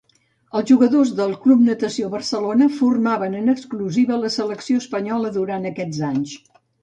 Els jugadors del Club Natació Barcelona formaven en exclusiva la selecció espanyola durant aquests anys.